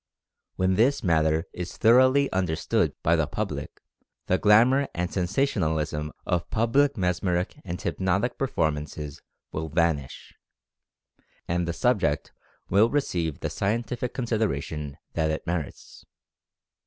When this matter is thoroughly understood by the public the glamor and sensational ism of public mesmeric and hypnotic performances will vanish, and the subject will receive the scientific consideration that it merits.